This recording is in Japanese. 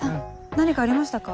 何かありましたか？